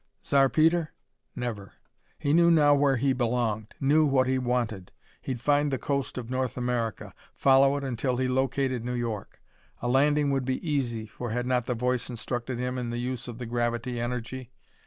Zar Peter? Never! He knew now where he belonged; knew what he wanted. He'd find the coast of North America. Follow it until he located New York. A landing would be easy, for had not the voice instructed him in the use of the gravity energy?